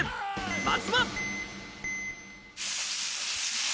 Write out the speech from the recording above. まずは。